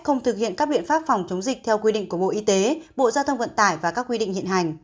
tổ chức vệ sinh khử khuẩn phòng chống dịch theo đúng hành trình